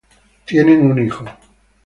Tienen un hijo.